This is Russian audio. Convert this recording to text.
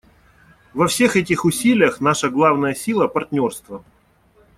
Во всех этих усилиях наша главная сила — партнерство.